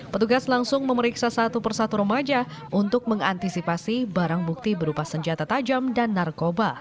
petugas langsung memeriksa satu persatu remaja untuk mengantisipasi barang bukti berupa senjata tajam dan narkoba